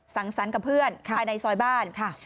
สังสรรค์กับเพื่อนภายในซอยบ้านค่ะ